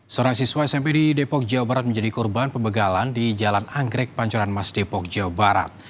seorang siswa smp di depok jawa barat menjadi korban pembegalan di jalan anggrek pancoran mas depok jawa barat